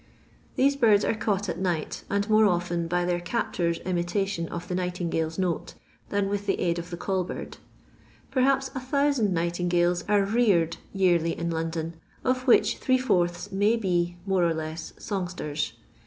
These birds are caught at nighty and more often by their captor's imitation of the nightingale's note, than with the aid of the call bird. Perhaps 1000 nightingales are reared yearly in London, of which three fourths may be, more or less, songsters.